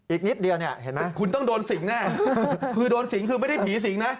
อีกนิดเดียวเนี่ยเห็นไหมคุณต้องโดนสิงแน่คือโดนสิงคือไม่ได้ผีสิงนะ